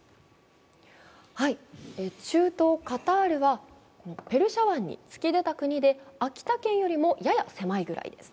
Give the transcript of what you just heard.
中東カタールはペルシャ湾に突き出た国で秋田県よりもやや狭い土地です。